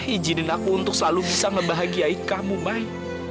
ijinin aku untuk selalu bisa ngebahagiain kamu mai